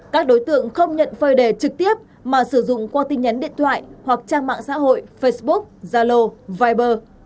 các đối tượng không nhận phơi đề trực tiếp mà sử dụng qua tin nhắn điện thoại hoặc trang mạng xã hội facebook zalo viber